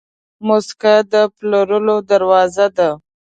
موسکا د پلور دروازه ده.